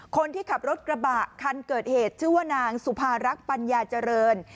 คนที่ขับรถกระบะคันเกิดเหตุชื่อว่านางสุภารักษ์ปัญญาเจริญ